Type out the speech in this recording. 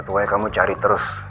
pokoknya kamu cari terus